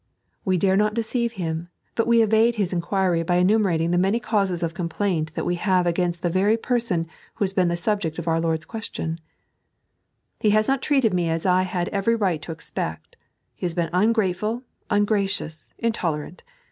We dare not deceive Him, hut we evade His inquiry by enumerating the many causes of complaint that we have against the very person who has been the subject of our Lord's question, " He has not treated me as I had every right to expect. He has been ungrateful, ungracious, intolerant.